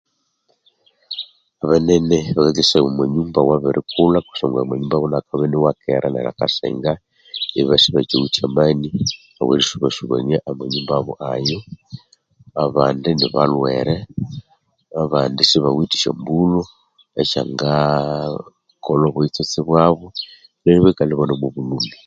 Abanene abakakesaya omwa manyumba awabirikulha kusangwa amanyumba wandi akabya iniwakera neryo akasenga obabya isibachiwithe amani awerisubasubania amanyumba ayo abandi nibalhwere abandi sibasiwithe syombulho esyangakolha obuyitsotse bwabu neryo ibikalha ibane mubulhumi